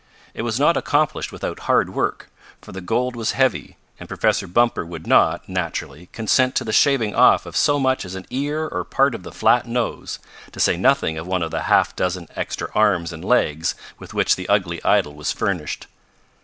It was not accomplished without hard work, for the gold was heavy, and Professor Bumper would not, naturally, consent to the shaving off of so much as an ear or part of the flat nose, to say nothing of one of the half dozen extra arms and legs with which the ugly idol was furnished.